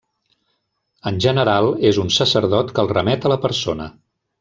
En general, és un sacerdot que el remet a la persona.